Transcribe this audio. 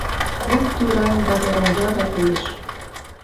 Пун тӱран да вороҥга гай коеш.